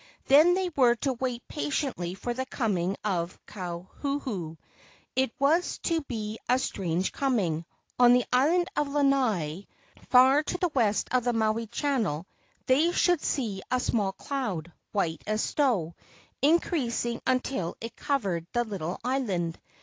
Then they were to wait patiently for the coming of Kauhuhu. It was to be a strange coming. On the island Lanai, far 56 LEGENDS OF GHOSTS to the west of the Maui channel, they should see a small cloud, white as snow, increasing until it covered the little island.